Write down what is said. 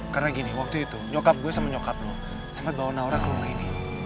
karena gini waktu itu nyokap gue sama nyokap lo sempet bawa naurah ke rumah ini